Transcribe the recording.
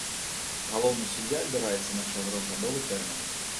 Галоўны суддзя абіраецца на чатырохгадовы тэрмін.